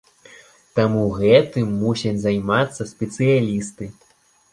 Таму гэтым мусяць займацца спецыялісты.